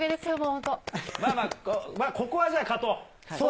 まあまあ、ここはじゃあ、勝とう。